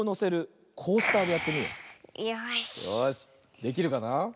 できるかな。